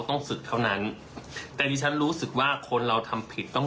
ต้องศึกเท่านั้นแต่ดิฉันรู้สึกว่าคนเราทำผิดต้อง